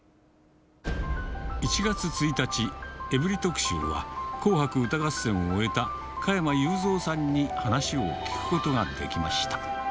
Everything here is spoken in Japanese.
１月１日、エブリィ特集は、紅白歌合戦を終えた加山雄三さんに話を聞くことができました。